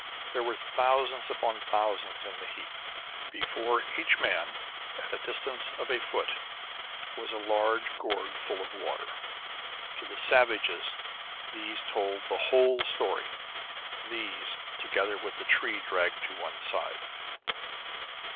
There were thousands upon thousands in the heap. Before each man, at a distance of a foot, was a large gourd ful of water. To the savages, these told the whole story; these, together with the tree dragged to one side.